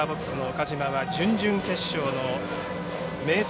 岡島は準々決勝の明徳